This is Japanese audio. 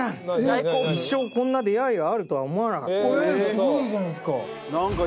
すごいじゃないですか。